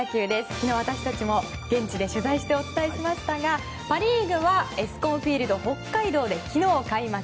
昨日、私たちも現地で取材してお伝えしましたがパリーグはエスコンフィールドＨＯＫＫＡＩＤＯで昨日、開幕。